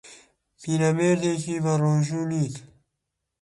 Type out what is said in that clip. پیرەمێردێکی و بەڕۆژوو نیت